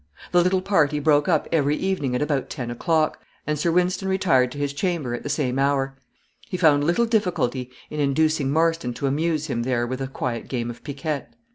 The little party broke up every evening at about ten o'clock, and Sir Wynston retired to his chamber at the same hour. He found little difficulty in inducing Marston to amuse him there with a quiet game of piquet.